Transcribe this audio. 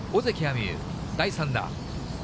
美悠、第３打。